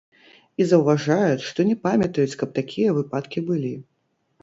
І заўважаюць, што не памятаюць, каб такія выпадкі былі.